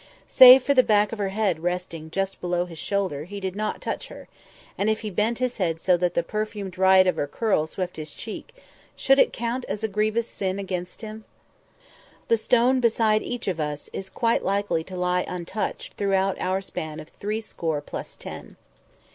Save for the back of her head resting just below his shoulder he did not touch her, and if he bent his head so that the perfumed riot of her curls swept his cheek, should it count as a grievous sin against him? The stone beside each of us is quite likely to lie untouched throughout our span of three score plus ten.